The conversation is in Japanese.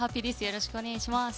よろしくお願いします。